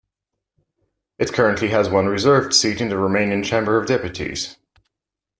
It currently has one reserved seat in the Romanian Chamber of Deputies.